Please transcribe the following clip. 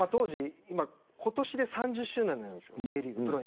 今年で３０周年なんですＪリーグ。